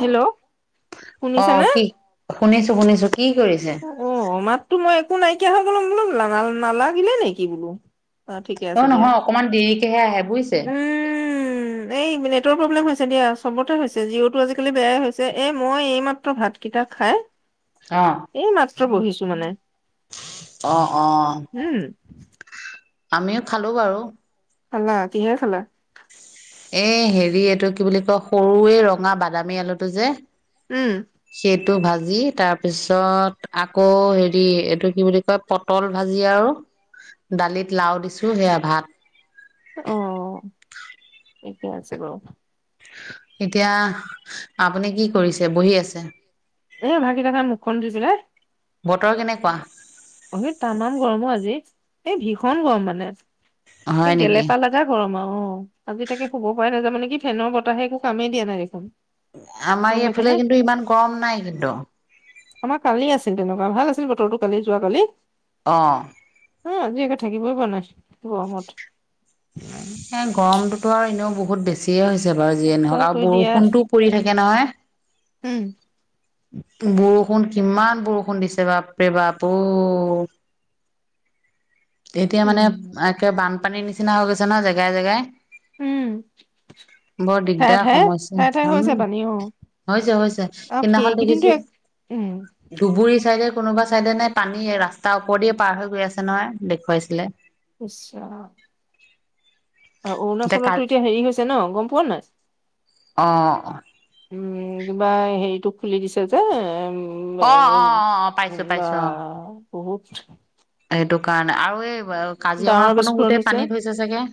Hello শুনিছানে? অ' কি? শুনিছো শুনিছো। কি কৰিছে? অ' মাতটো মই একো নাইকিয়া হৈ গ'ল। মই বোলো না-নালাগিলে নেকি বোলো। অ', ঠিকে আছে দিয়া। নহয় অকমান দেৰিকেহে আহে বুজিছে উম। এই নেটৰ প্ৰ'ব্লেম হৈছে দিয়া। চবতে হৈছে, জিঅ'টো আজি কালি বেয়াই হৈছে। এ মই এইমাত্ৰ ভাত কেইটা খাই অ'। এই মাত্ৰ বহিছো মানে। অ', অ'। উম। আমি খালো বাৰু। খালা, কিহেৰে খালা? এ হেৰি এইটো কি বুলি কয়, সৰু এই ৰঙা বাদামী আলুটো যে। উম। সেইটো ভাজি তাৰপিছত আকৌ হেৰি এইটো কি বুলি কয় পটল ভাজি আৰু দালিত লাউ দিছো সেয়া ভাত। অ' ঠিকে আছে বাৰু। এতিয়া আপুনি কি কৰিছে বহি আছে? [unintelligible] মুখ খন ধুই পেলাই বতৰ কেনেকুৱা? অ' তামাম গৰম অও আজি এই ভীষণ গৰম মানে। সেই হয় নেকি গেলেপা গৰম আও! অ' আজি তাকে শুব পৰাই নাযাব নেকি, ফেনৰ বতাহে একো কামেই দিয়া নাই দেখোন। আমাৰ গম পাইছা এইফালে নে কিন্তু ইমান গৰম নাই কিন্তু। আমাৰ কালি আছিল তেনেকুৱা ভাল আছিল বতৰটো কালি যোৱাকালি। অঁ। এই আজি একে থাকিবই পৰা নাই গৰমত। এই গৰমটোতো আৰু এনেও বহুত বেছিয়ে হৈছে বাৰু যিয়ে নহওক। আৰু কৰি দিয়া বৰষুণতো কৰি থাকে নহয়। উম। বৰষুণ কিমান বৰষুণ দিছে। বাপৰে বাপ অও! এতিয়া মানে উম একে বানপানীৰ নিচিনা হৈ গৈছে ন জেগাই জেগাই। উম বৰ ঠায়ে দিগদাৰ ঠায়ে সমস্যা। ঠায়ে ঠায়ে হম! হৈছে পানী অ হৈছে হৈছে, আৰু সেইদিনাখন সেইকেইদিনটো দেখিছো এক উম। ধুবুৰী চাইডে কোনোবা চাইডে নে পানী ৰাস্তাৰ ওপৰেদি পাৰ হৈ গৈ আছে নহয়। দেখুৱাইছিলে। ইছ ৰাম! আৰু অৰুণাচলতটো এতিয়া হেৰি হৈছে ন গম পোৱা নাই? অ' অ'। উম, কিবা হেৰিটো খুলি দিছে যে। অ অ অ [unintelligible] অ পাইছো পাইছো অ। বহুত সেইটো কাৰণে আৰু এই ডাঙৰ কাজিৰঙাখনো বিস্ফোৰণ গোটেই পানী হৈছে চাগে।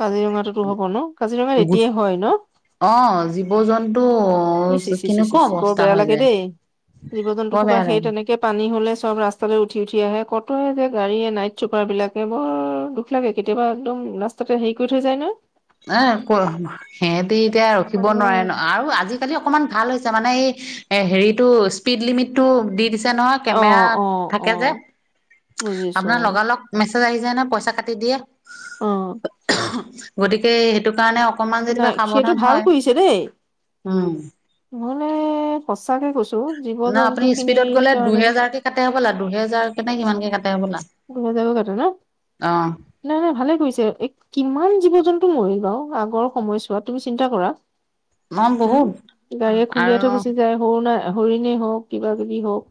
কাজিৰঙাটোতো হ'ব ন, কাজিৰঙাত এতিয়া হয় ন? অ' জীৱ-জন্তু ইচ ইচ ইচ বৰ বেয়া লাগে দেই জীৱ-জন্তু বৰ সোপা বেয়া সেই লাগে। তেনেকে পানী হ'লে চব ৰাস্তালৈ উঠি উঠি আহে। কতে যে গাড়ীয়ে নাইট চুপাৰ বিলাকে বৰ দুখ লাগে কেতিয়াবা একদম ৰাস্তাতে হেৰি কৰি থৈ যায় নহয়। [unintelligible] সিহঁতি এতিয়া ৰখিব মানে নোৱাৰে ন। আৰু আজি আজিকালি অকমান ভাল হৈছে মানে এই এ হেৰিটো স্পীড লিমিটটো দি দিছে নহয়। অ কেমেৰা অ অ থাকে যে বুজিছো আপোনাৰ লগালগ মেছেজ আহি যায় নহয়, পইচা কাটি দিয়ে। অ'। গতিকে সেইটো কাৰণে অকমান যেনিবা নাই সেইটো সাৱধান ভাল হয়। উম! [unintelligible] সচাঁকে কৈছো। জীৱ না জন্তু আপুনি খিনিৰ স্পীডত গ'লে কাৰণে দুহেজাৰকে কাটে হ'বলা, দুহেজাৰকে নে কিমানকে কাটে হ'বলা। দুহেজাৰকে কাটে ন? অ', নাই নাই ভালে কৰিছে। কিমান জীৱ-জন্তু মৰি বাও আগৰ সময়ছোৱাত তুমি চিন্তা কৰা। মই উম বহুত গাড়ীয়ে খুন্দিয়াই থৈ আৰু গুচি যায় সৰু নাই হৰিণেই হওক কিবা-কিবি হওক।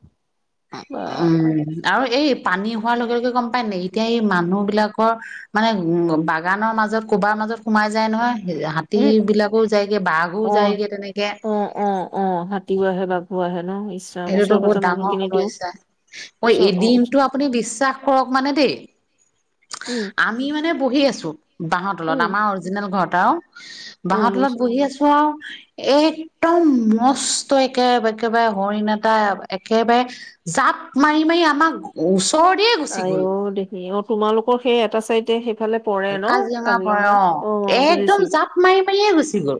বা [unintelligible] উম আৰু এই পানী হোৱাৰ লগে লগে গম পায় নাই এতিয়া এই মানুহ বিলাকৰ মানে উ বাগানৰ মাজত কবাৰ মাজত সোমাই যায় নহয় উম হাতীবিলাকো যায়গে বাঘো অ যায়গে তেনেকে। অ' অ'। অ' হাতীও আহে বাঘো আহে ন' ইচ। এইটোতো বহুত ডাঙৰ সমস্যা। মই ওচৰ অ এদিনটো আপুনি বিশ্বাস কৰক মানে দেই উম। আমি মানে বহি আছো বাঁহৰ তলত উম আমাৰ অৰিজিনেল ঘৰৰ আও। অ বাঁহৰ তলত বুজিছো বহি আছো আৰু একদম মস্ত একেবাৰে একেবাৰে হৰিণ এটা একেবাৰে জাপ মাৰি মাৰি আমাক ওচৰেদিয়ে আই ঐ দেহি অ' তোমালোকৰ সেই এটা চাইডে সেইফালে পৰে ন' কাজিৰঙা অ' একদম বুজিছো। জাপ মাৰি মাৰিয়ে গুচি গ'ল।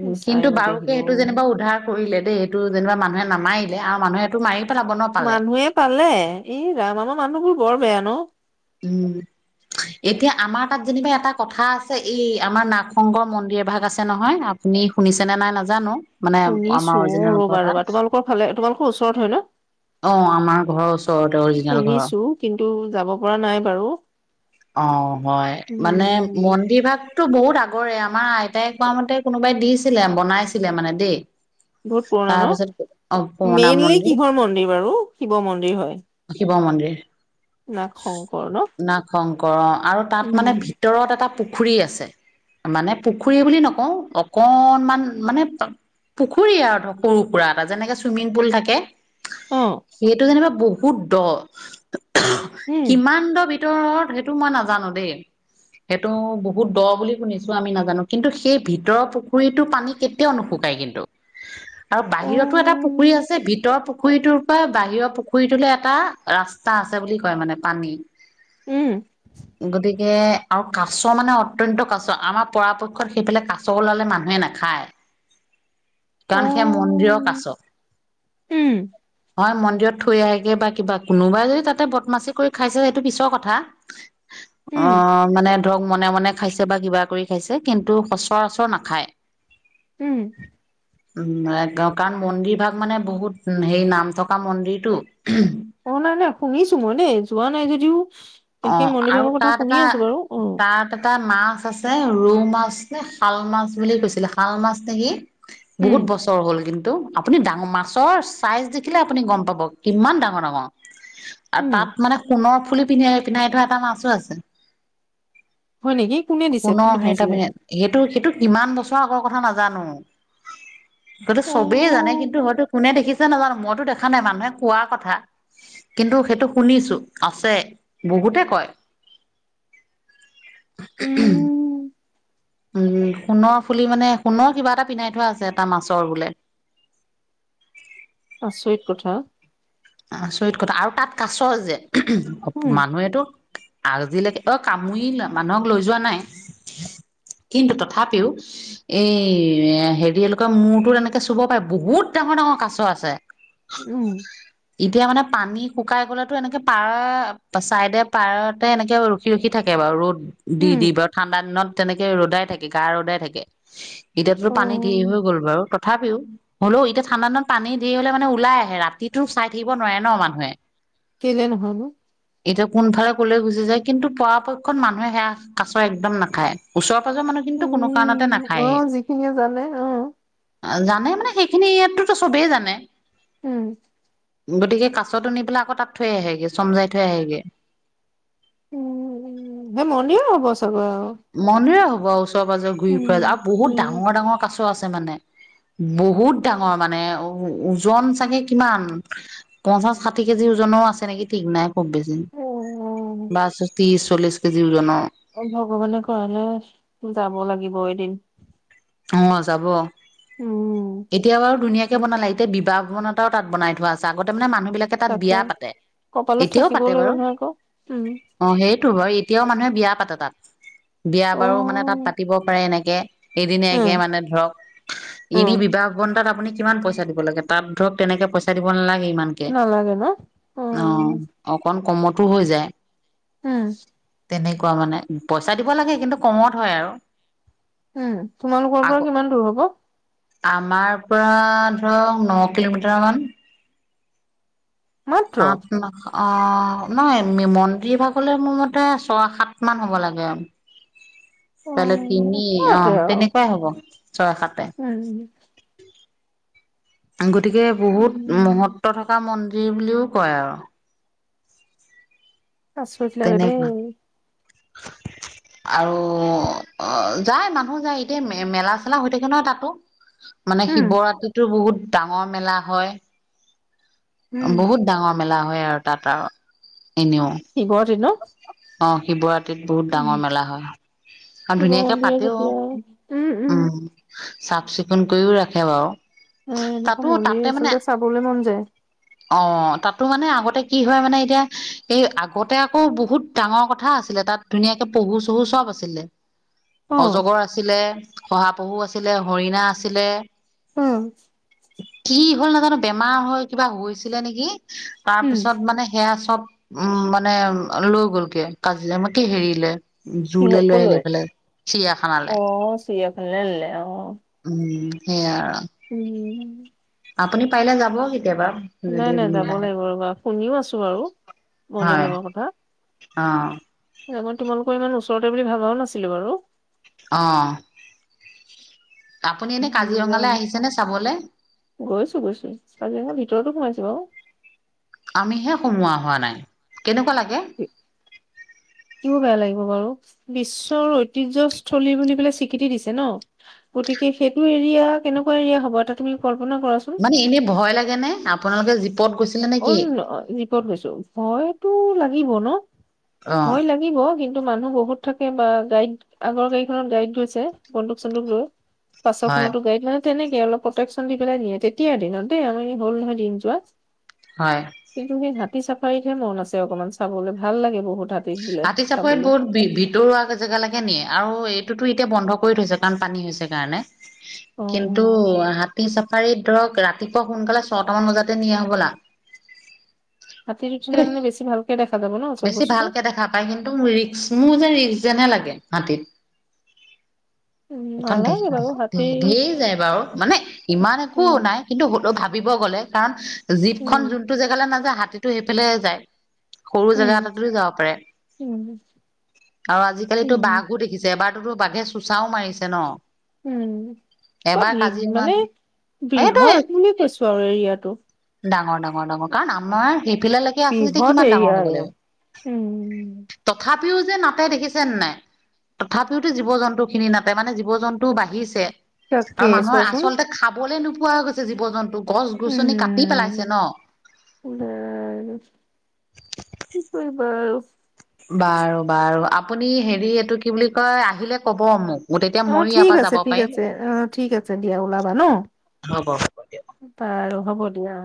উ ইচ কিন্তু আইও দেহি বাৰুকে অ সেইটো যেনিবা উদ্ধাৰ কৰিলে দেই এইটো যেনিবা মানুহে নামাৰিলে আৰু মানুহেটো মাৰিব মানুহে পালে ই ৰাম আমাৰ মানুহবোৰ বৰ বেয়া ন। উম। এতিয়া আমাৰ তাত যেনিবা এটা কথা আছে। এই আমাৰ নাগ শংকৰ মন্দিৰ ভাগ আছে নহয়। আপুনি শুনিছেনে নাই নাজানো। মানে আমাৰ শুনিছো অ' অৰিজিনেল ঘৰ ৰ'বা তাত। ৰ'বা তোমালোকৰ ফালে তোমালোকৰ ওচৰত হয় ন। অ' আমাৰ ঘৰৰ ওচৰতে অৰিজিনেল ঘৰৰ শুনিছো কিন্তু যাব পৰা নাই বাৰু। অ' হয় মানে। মন্দিৰ উম ভাগতো বহুত আগৰে আমাৰ আইতাই কোৱা মতে কোনোবাই দিছিলে, বনাইছিলে মানে দেই। বহুত পুৰণা তাৰপিছত অ' ন' পুৰণা মেইনলি মন্দিৰ কিহৰ মন্দিৰ বাৰু, শিৱ মন্দিৰ হয়। শিৱ মন্দিৰ। নাগ শংকৰ ন নাগংকৰ আৰু তাত মানে উম ভিতৰত এটা পুখুৰী আছে। মানে পুখুৰী বুলি নকও অকনমান মানে পুখুৰী আৰু সৰুসুৰা এটা যেনেকে চুইমিং পুল থাকে। অ'। সেইটো যেনিবা বহুত দ উম কিমান দ ভিতৰত সেইটো মই নাজানো দেই। সেইটো বহুত দ বুলি শুনিছো আমি নাজানো কিন্তু সেই ভিতৰৰ পুখুৰীতো পানী কেতিয়াও নুশুকাই কিন্তু। আৰু অ বাহিৰতো এটা পুখুৰী আছে ভিতৰ পুখুৰীটোৰ পৰা বাহিৰৰ পুখুৰী পুখুৰীটোলৈ এটা ৰাস্তা আছে বুলি কয় মানে পানী উম গতিকে আৰু কাছ মানে অত্যন্ত কাছ। আমাৰ পৰাপক্ষত সেইফালে কাছ ওলালে মানুহে নাখায়। অ কাৰণ সেয়া মন্দিৰৰ কাছ উম হয় মন্দিৰত থৈ আহেগে বা কিবা কোনোবাই যদি তাতে বদমাচি কৰি খাইছে সেইটো পিছৰ কথা। উম অ'। মানে ধৰক মনে মনে খাইছে বা কিবা কৰি খাইছে কিন্তু সচৰাচৰ নাখায়। উম। উ কৰা কাৰণ মন্দিৰ ভাগ মানে বহুত হে নাম থকা মন্দিৰ। টো অ, নাই-নাই শুনিছো মই দেই যোৱা নাই যদিও সেই অঁ', মন্দিৰ আৰু ভাগৰ কথা তা'ত শুনি এটা আছো বাৰু অ তা'ত- এটা মাছ আছে ৰৌ মাছ নে শাল মাছ বুলি কৈছিলে, শাল মাছ নেকি। উম বহুত বছৰ হ'ল কিন্তু- আপুনি ডাঙৰ মাছৰ চাইজ দেখিলে আপুনি গম পাব কিমান ডাঙৰ-ডাঙৰ। আৰু উম তা'ত মানে সোণৰ ফুলি পিন্ধাই-পিন্ধাই থোৱা এটা মাছো আছে। হয় নেকি? কোনে দিছে, পিন্ধাইছিলে? সেইটো-সেইটো কিমান বছৰ আগৰ কথা নাজানো। সেইটো অ চবেই জানে, কিন্তু হয়তো কোনে দেখিছে- নাজানো, মইতো দেখা নাই মানুহে কোৱা কথা, কিন্তু সেইটো শুনিছো আছে। বহুতে কয়। উম উম' সোণৰ ফুলি মানে সোণৰ কিবা এটা পিন্ধাই থোৱা আছে এটা মাছৰ বোলে। আচৰিত কথা। আচৰিত কথা, আৰু তা'ত কাছ যে উম মানুহেতো আজিলৈকে- অ', কামুৰিলে মানুহক লৈ যোৱা নাই। কিন্তু তথাপিও- এই এ' হেৰি এওঁলোকৰ মূৰটোত এনেকে চুব পাৰে, বহুত ডাঙৰ-ডাঙৰ কাছ আছে। উম। এতিয়া মানে পানী শুকাই গ'লেতো এনেকে পাৰ চাইডে পাৰতে এনেকে ৰখি-ৰখি থাকে বাৰু ৰ'দ- উম দি-দি বাৰু। ঠাণ্ডা দিনত তেনেকে ৰ'দাই থাকে, গা ৰ'দাই থাকে। এতিয়াতো পানী ঢেৰ অ', হৈ গ'ল বাৰু। ত- থাপিও, হ'লেও এতিয়া ঠাণ্ডা দিনত পানী ঢেৰ হ'লে মানে ওলাই আহে ৰাতিটো চাই- থাকিব নোৱাৰে ন' মানুহে। কেই'লে নহয় নো? এতিয়া কোনফালে কলৈ গুচি যায়, কিন্তু পৰাপক্ষত মানুহে সেয়া কাছ একদম নাখায়। ওচৰে-পাজৰে মানুহখিনি তো কিন্তু কোনো কাৰণতে উম, নাখায়েই। অ', যিখিনিয়ে জানে অ', অ', জানে মানে সেইখিনি ইয়াতে তো চবেই জানে। উম। গতিকে কাছতো নি পেলাই আকৌ তা'ত থৈ আহেগে, চমজাই থৈ আহেগে। উম-উম, সেই মন্দিৰৰ হ'ব ছাগে আৰু। মন্দিৰৰে হ'ব আৰু ওচৰে-পাজৰে ঘূৰি উম, ফুৰা আৰু বহুত উম, ডাঙৰ-ডাঙৰ কাছ আছে মানে। বহুত ডাঙৰ মানে ও-ওজন চাগে কিমান- পঞ্চাছ, ষাঠি কেজিৰ ওজনৰো আছে নেকি ঠিক নাই খুব বেছি। অ', বা-শ-ত্ৰিশ, চল্লিশ কেজিৰ ওজনৰ। অ', ভগৱানে কৰা'লে যাব লাগিব এদিন। অঁ', যাব। উম, এতিয়া বাৰু ধুনীয়াক কে বনালে। এতিয়া বিবাহ ভৱন এটাও তা'ত বনাই থোৱা আছে। আগতে মানে মানুহ বিলাক- কে তা'ত তাকে বিয়া পাতে, কপালত এতিয়াও থাকিবও পাতে লাগিব বাৰু। নহয় আকৌ উম, অঁ', -সেইটো বাৰু, এতিয়াও মানুহে বিয়া পাতে তা'ত বিয়া বাৰু মানে তা'ত অ', পাতিব পাৰে এনেকে। এদিনীয়াকে উম, মানে ধৰক, এনেই উম, বিবাহ ভৱন তা'ত আপুনি- কিমান পইচা দিব লাগে? তা'ত ধৰক তেনেকে পইচা দিব নালাগে ইমানকে, নালাগে ন? অঁ',। উম, অকণ কমতো হৈ যায়। উম। তেনেকুৱা মানে। পইচা দিব লাগে, কিন্তু কমত হয় আৰু। হুম, তোমালোকৰ আগ পৰা কিমান দূৰ হ'ব? আমাৰ পৰা ধৰক ন' কিলোমিটাৰ মান। মাত্ৰ আঠ, ন অ', নহয়, মে-মন্দিৰ ভাগলৈ মোৰ মতে ছয়, সাত মান হ'ব লাগে। [unintelligible] অ', তিনি ওচৰতে অ', আৰু তেনেকুৱাই হ'ব ছয়, সাতে উম। গতিকে বহুত উম। মহত্ব থকা মন্দিৰ বুলিও কয় আৰু। আচৰিত লাগে দেই। তেনেকুৱা আৰু অ', যায় মানুহ যায়, এতিয়া মে-মেলা চেলা হৈ থাকে নহয়, তাতো। মানে উম, শিৱৰাত্ৰিতো বহুত ডাঙৰ মেলা হয়, উম। বহুত ডাঙৰ মেলা হয়, আৰু তাত আৰু এনেও শিৱৰাত্ৰিত ন? অ', শিৱৰা তিত বহুত ডাঙৰ মেলা হয়, আৰু শিৱ ধুনীয়াকে মন্দিৰে পাতেও যেতিয়া উম। চাফ চিকুণ কৰিও ৰাখে বাৰু। উম, তাতো এনেকুৱা মন্দিৰ তাতে মানে আচলতে চাবলৈ মন যায়। অ', তাতো মানে আগতে কি হয়, মানে এতিয়া এই আগতে আ আকৌ বহুত ডাঙৰ কথা আছিলে, তাত ধুনীয়াকে পহু, চহু চব আছিলে, অ', অজগৰ আ ছিলে শহাপহু আছিলে, হৰিণা আছিলে। উম। কি হ'ল নাজানোঁ, বেমাৰ হৈ কিবা হৈছিলে নেকি, উম। তাৰপিছত মানে সেয়া চব উম, মানে লৈ গ'লগে কাজিৰ কি হেৰিলে কিহ যুলে লৈ আহিলে কলৈ এইফালে চিৰিয়াখানালে। অ', চিৰিয়াখানালৈ নিলে অ'। উম, সেয়া আৰু উম। আপুনি পাৰিলে যাব কেতিয়াবা। নাই, যদি নাই যাব মিলাই লাগিব ৰ'বা শুনিও আছোঁ বাৰু মন্দিৰভাগৰ কথা। অ'। মই তোমালোকৰ ইমান ওচৰতে বুলি ভাবাও নাছিলোঁ বাৰু। অ'। আপুনি এনে কাজিৰঙালে আহিছেনে চাবলে? গৈছোঁ, গৈছোঁ কাজিৰঙা ভিতৰতো সোমাইছোঁ বাৰু। আমিহে সোমোৱা হোৱা নাই, কেনেকুৱা লাগে? [unintelligible] কিয় বেয়া লাগিব বাৰু, বিশ্বৰ ঐতিহ্যস্থলী বুলি পেলাই স্বীকৃতি দিছে ন। গতিকে সেইটো এৰিয়া কেনেকুৱা এৰিয়া হ'ব এটা তুমি কল্পনা কৰাচোন। মানে এনেই ভয় লাগেনে? আপোনালোকে জীপত গৈছ অ', জীপত গৈছোঁ, ভয়তো লাগিব ন' অ', ভয় লাগি গিব, কিন্তু মানুহ বহুত থাকে বা গাইড আগৰ গাড়ীখনত গাইড গৈছে বন্দুক, চন্দুক লৈ। হয়, পাছৰখনতো গাইড মানে, তেনেকে অলপ প্ৰটেকচন দি পেলাই নিয়ে, তেতিয়াৰ দিনত দেই আমি হ'ল নহয় দিন যোৱা। হয়। কিন্তু সেই হাতী চাফাৰীতহে মন আছে অকমান চাবলে ভাল লাগে বহুত হাত হাতী চাফাৰীত বহুত ভি-ভিতৰুৱা জে জেগালৈকে নিয়ে, আৰু এইটোতো এতিয়া বন্ধ কৰি থৈছে কাৰণ পানী হৈছে কাৰণে। কিন্তু অ হাতী চাফাৰীত ধৰক ৰা তিপুৱা সোনকালে ছটা মান বজাতে নিয়ে হ'বলা। হাতীত উঠিলে কিন্তু মানে বেছি ভালকৈ দেখা। যাব ন চব বেছি বস্তু ভালকে দেখা পায় কিন্তু মোৰ ৰিস্ক মোৰ যে ৰিস্ক যেনে লাগে হাতীত। উম অকণ নালাগে বাৰু হাতী ঢেৰ যায় বাৰু মানে ইমান একো উম নাই। কিন্তু হ'লেও ভাবিব গ'লে কাৰণ জীপখন উম যোনটো জেগালৈ নাযায় হাতীটো সেইফালে যায়। সৰু জেগা উম এটাটো যাব পাৰে উম আৰু আজিকালিতো উম বাঘো দেখিছ। জ এবাৰতোতো বাঘে চোচাও মাৰিছে ন। উম বা এবাৰ বি কাজিৰঙাত মানে এইটো ব্ৰিহত বুলি কৈছো আৰু এই এৰিয়াটো। ডাঙৰ ডাঙৰ ডাঙৰ কাৰণ আমাৰ সেইফিলালেকে আছে যেতিয়া বৃহৎ কিমান এৰিয়া ডাঙৰ হ'ব আৰু লাগিব। উম। তথাপিও যে নাতে দেখিছে নে নাই। তথাপিওতো জীৱ জন্তু খিনি নাটে মানে জীৱ জন্তু বাঢ়িছে। তাকে আৰু মানুহৰ চোৱাচোন আচলতে খাবলে নোপোৱা হৈ গৈছে জীৱ জন্তু গছ গছনি কাটি পেলাইছে ন। এই কি কৰিবা আৰু। বাৰু বাৰু আপুনি হেৰি এইটো কি বুলি কয় আহিলে ক'ব মোক। তেতিয়া অ ময়ো ইয়াৰ ঠিক পৰা আছে যাব ঠিক পাৰিম আছে অ ঠিক আছে দিয়া ওলাবা ন। হ'ব হ'ব দিয়া বাৰু হব দিয়া অ।